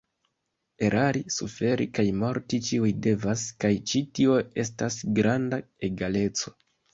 Erari, suferi kaj morti ĉiuj devas kaj ĉi tio estas granda egaleco.